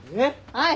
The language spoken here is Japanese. はい。